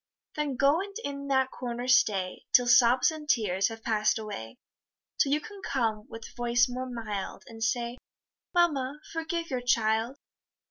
Then go, and in that corner stay, Till sobs and tears have pass'd away; Till you can come with voice more mild, And say, "Mamma, forgive your child."